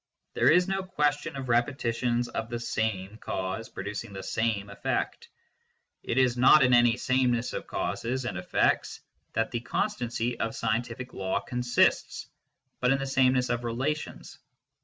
There is no question of repetitions of the " same " cause producing the " same " effect ; it Loc. cit.. 6 ON THE NOTION OF CAUSE 195 is not in any sameness of causes and effects that the con stancy of scientific law consists, but in sameness of relations.